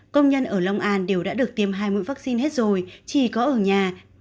công nhân ở long an đều đã được tiêm hai mũi vaccine hết rồi chỉ có ở nhà